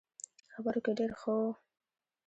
خبرو کې ډېر ښه وو.